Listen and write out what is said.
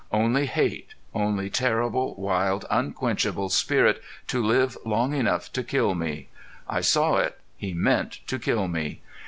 Only hate, only terrible, wild, unquenchable spirit to live long enough to kill me! I saw it, He meant to kill me.